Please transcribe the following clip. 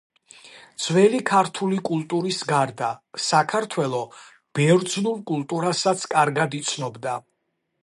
ძველი ქართული კულტურის გარდა, საქართველო ბერძნულ კულტურასაც კარგად იცნობდა.